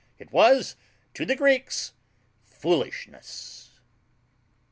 It was to the Greeks FOOLISHNESS.